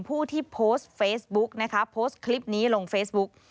ผู้ที่โพสต์เฟซบุ๊กนะคะโพสต์คลิปนี้ลงเฟซบุ๊ก